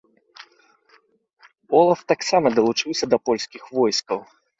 Олаф таксама далучыўся да польскіх войскаў.